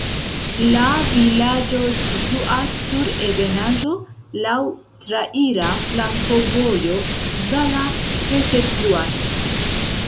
La vilaĝo situas sur ebenaĵo, laŭ traira flankovojo, Zala preterfluas.